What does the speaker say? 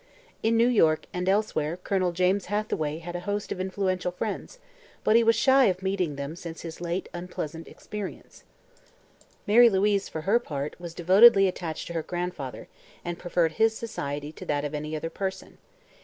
In New York and elsewhere Colonel James Hathaway had a host of influential friends, but he was shy of meeting them since his late unpleasant experiences. Mary Louise, for her part, was devotedly attached to her grandfather and preferred his society to that of any other person.